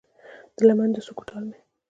د لمن د څوکو ټال مې